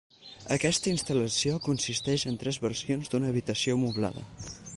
Aquesta instal·lació consisteix en tres versions d'una habitació moblada.